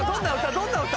どんな歌？